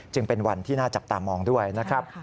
เป็นวันที่น่าจับตามองด้วยนะครับ